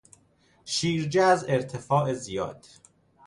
شیرجه از ارتفاع زیاد